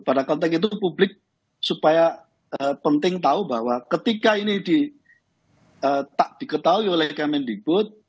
pada konteks itu publik supaya penting tahu bahwa ketika ini tak diketahui oleh kemendikbud